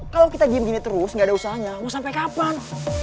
kalau kita diem gini terus gak ada usahanya mau sampai kapan